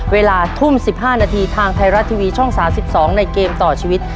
เวลาทุ่ม๑๕นาทีทางไทยรัฐทีวีช่อง๓๒ในเกมต่อชีวิต